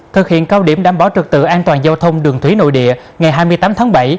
thực hiện cao điểm đảm bảo trực tự an toàn giao thông đường thủy nội địa ngày hai mươi tám tháng bảy